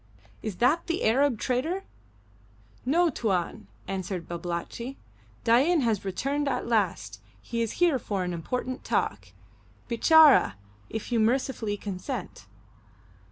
"Is that the Arab trader?" "No, Tuan," answered Babalatchi; "Dain has returned at last. He is here for an important talk, bitcharra if you mercifully consent."